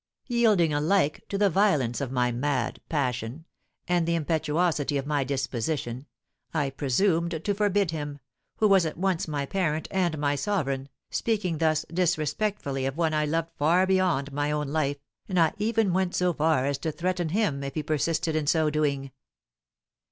Yielding alike to the violence of my mad passion, and the impetuosity of my disposition, I presumed to forbid him, who was at once my parent and my sovereign, speaking thus disrespectfully of one I loved far beyond my own life, and I even went so far as to threaten him if he persisted in so doing.